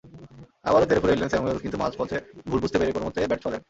আবারও তেড়েফুঁড়ে এলেন স্যামুয়েলস, কিন্তু মাঝপথে ভুল বুঝতে পেরে কোনোমতে ব্যাট ছোঁয়ালেন।